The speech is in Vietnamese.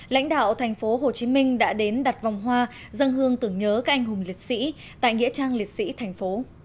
lãnh đạo tp hcm đã đến đặt vòng hoa dâng hương tưởng nhớ các anh hùng liệt sĩ tại nghĩa trang liệt sĩ tp